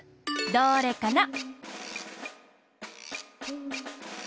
どれかな？